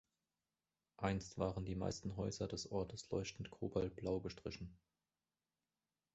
Einst waren die meisten Häuser des Ortes leuchtend kobaltblau gestrichen.